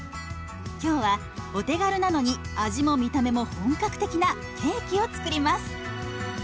今日はお手軽なのに味も見た目も本格的なケーキを作ります。